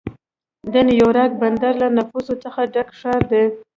د نیویارک بندر له نفوسو څخه ډک ښار دی.